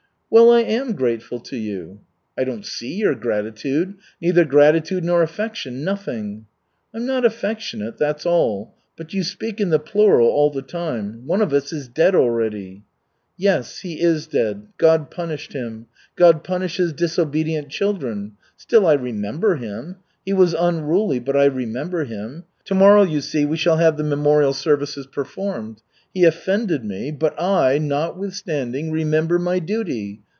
"Well, I am grateful to you." "I don't see your gratitude neither gratitude nor affection nothing." "I'm not affectionate that's all. But you speak in the plural all the time. One of us is dead already." "Yes, he is dead. God punished him. God punishes disobedient children. Still, I remember him. He was unruly, but I remember him. Tomorrow, you see, we shall have the memorial services performed. He offended me, but I, notwithstanding, remember my duty.